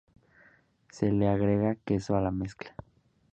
Se le agrega queso a la mezcla.